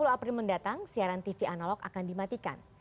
dua puluh april mendatang siaran tv analog akan dimatikan